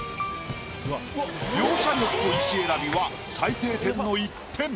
描写力と石選びは最低点の１点。